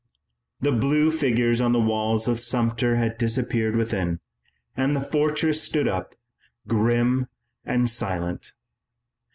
The blue figures on the walls of Sumter had disappeared within, and the fortress stood up, grim and silent.